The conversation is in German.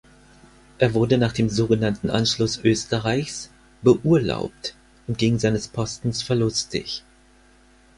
Er wurde nach dem sogenannten Anschluss Österreichs „beurlaubt“ und ging seines Postens verlustig.